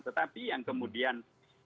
tetapi yang kemudian